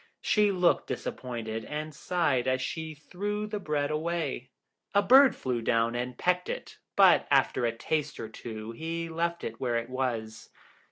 She looked disappointed, and sighed as she threw the bread away. A bird flew down and pecked it, but after a taste or two he left it where it was.